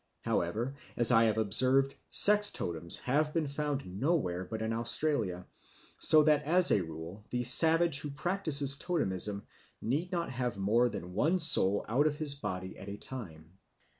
However, as I have observed, sex totems have been found nowhere but in Australia; so that as a rule the savage who practises totemism need not have more than one soul out of his body at a time.